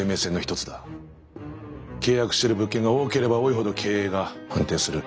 契約してる物件が多ければ多いほど経営が安定する。